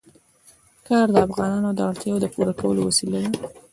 ګاز د افغانانو د اړتیاوو د پوره کولو وسیله ده.